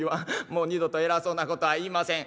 もう二度と偉そうなことは言いません」。